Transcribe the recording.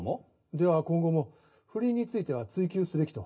では今後も不倫については追及すべきと？